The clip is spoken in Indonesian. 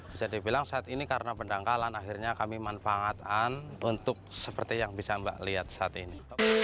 bisa dibilang saat ini karena pendangkalan akhirnya kami manfaatkan untuk seperti yang bisa mbak lihat saat ini